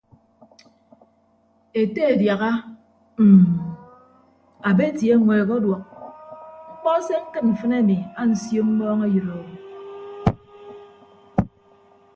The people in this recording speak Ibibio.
Ete adiaha mm abeti eñweek ọduọk mkpọ se ñkịd mfịn ami ansio mmọọñeyịdo.